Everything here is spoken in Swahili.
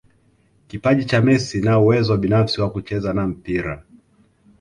kipaji cha Messi na uwezo binafsi wa kucheza na mpira